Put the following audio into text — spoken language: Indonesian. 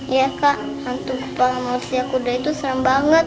iya kak hantu kepala manusia kuda itu serem banget